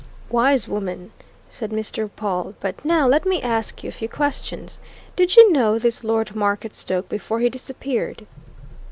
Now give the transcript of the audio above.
"Wise woman!" said Mr. Pawle. "But now let me ask you a few questions. Did you know this Lord Marketstoke before he disappeared?"